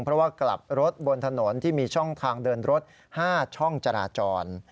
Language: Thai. เพราะว่ากลับรถบนถนนที่มีช่องทางเดินรถ๕ช่องจราจร